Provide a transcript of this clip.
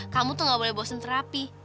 kamu tuh gak boleh bosen terapi